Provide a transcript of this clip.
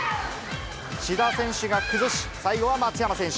志田選手が崩し、最後は松山選手。